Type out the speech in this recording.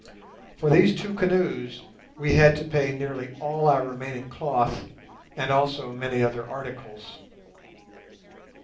For these two canoes we had to pay nearly all our remaining cloth, and also many other articles.